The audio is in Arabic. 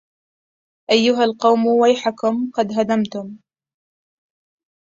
أيها القوم ويحكم قد هدمتم